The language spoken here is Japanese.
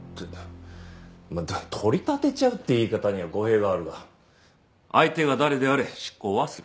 まあ「取り立てちゃう」って言い方には語弊はあるが相手が誰であれ執行はする。